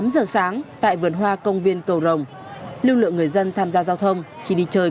tám giờ sáng tại vườn hoa công viên cầu rồng lưu lượng người dân tham gia giao thông khi đi chơi